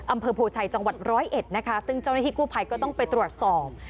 อำเภอโพชัยจังหวัดร้อยเอ็ดนะคะซึ่งเจ้าหน้าที่กู้ภัยก็ต้องไปตรวจสอบ